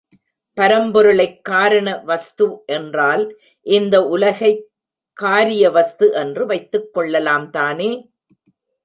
பரம்பொருளைக் காரண வஸ்து என்றால் இந்த உலகைக் காரியவஸ்து என்று வைத்துக் கொள்ளலாம் தானே.